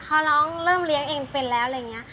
พอน้องเริ่มเลี้ยงเองเป็นแล้วอะไรอย่างนี้